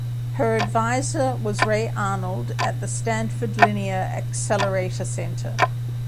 Her advisor was Ray Arnold at the Stanford Linear Accelerator Center.